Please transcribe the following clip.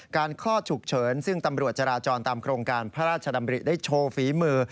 คลอดฉุกเฉินซึ่งตำรวจจราจรตามโครงการพระราชดำริได้โชว์ฝีมือ